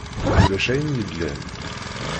Ulac ayen yellan.